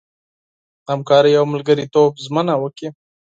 د همکارۍ او ملګرتوب ژمنه وکړي.